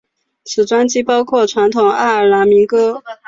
此专辑包括传统爱尔兰民歌。